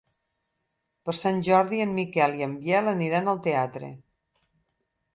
Per Sant Jordi en Miquel i en Biel aniran al teatre.